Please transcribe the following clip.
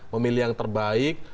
pemilih yang terbaik